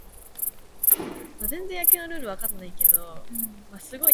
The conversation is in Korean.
있는지도 모르겠다.